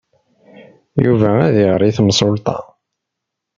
Yuba ad iɣer i temsulta.